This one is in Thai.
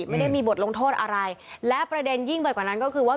ไม่ได้มีบทลงโทษอะไรและประเด็นยิ่งไปกว่านั้นก็คือว่า